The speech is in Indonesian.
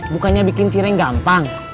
bukannya bikin cireng gampang